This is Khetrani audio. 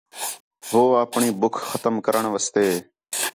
ہو اپݨی ٻُکھ ختم کرݨ واسطے